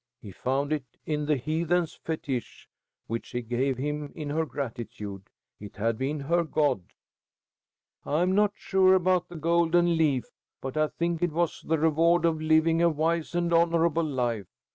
He found it in the heathen fetish which she gave him in her gratitude. It had been her god. "I am not sure about the golden leaf, but I think it was the reward of living a wise and honorable life.